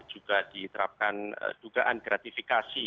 juga diterapkan dugaan gratifikasi